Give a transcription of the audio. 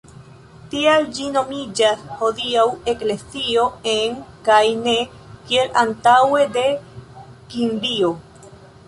Tial ĝi nomiĝas hodiaŭ eklezio "en" kaj ne kiel antaŭe "de" Kimrio.